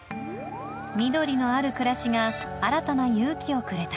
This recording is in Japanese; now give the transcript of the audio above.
緑のある暮らしが新たな勇気をくれた